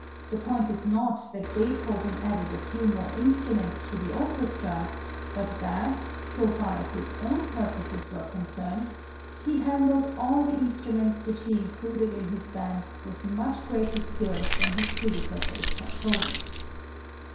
The point is not that Beethoven added a few more instruments to the orchestra, but that, so far as his own purposes were concerned, he handled all the instruments which he included in his band with much greater skill than his predecessors had shown.